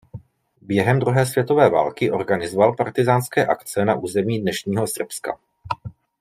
Během druhé světové války organizoval partyzánské akce na území dnešního Srbska.